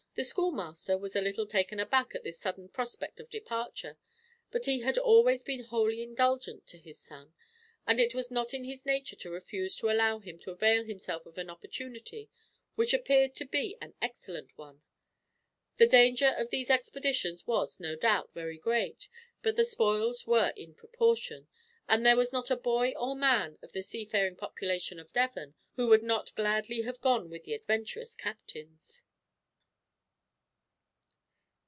The schoolmaster was a little taken aback at this sudden prospect of departure, but he had always been wholly indulgent to his son, and it was not in his nature to refuse to allow him to avail himself of an opportunity which appeared to be an excellent one. The danger of these expeditions was, no doubt, very great; but the spoils were in proportion, and there was not a boy or man of the seafaring population of Devon who would not gladly have gone with the adventurous captains.